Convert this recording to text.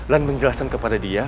dan menjelaskan kepada dia